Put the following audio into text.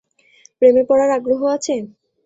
প্রেমে পড়ার আগ্রহ আছে?